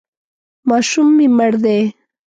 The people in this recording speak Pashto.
ماشوم مې مړ دی.